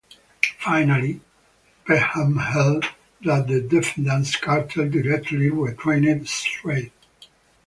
Finally, Peckham held that the defendants' cartel directly restrained trade.